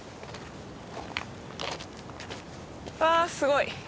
うわすごい！